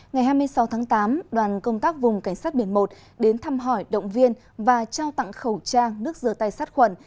ngày hai mươi sáu tháng tám đoàn công tác vùng cảnh sát biển một đến thăm hỏi động viên và trao tặng khẩu trang nước dừa tay sát khuẩn